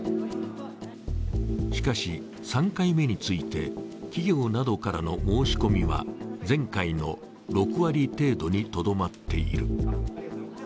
しかし、３回目について企業などからの申し込みは前回の６割程度にとどまっている。